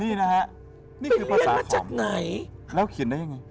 นี่นะฮะนี่คือภาษามาจากไหนแล้วเขียนได้ยังไง